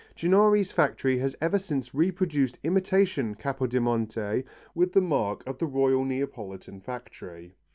Ginori's factory has ever since reproduced imitation Capodimonte with the mark of the Royal Neapolitan factory.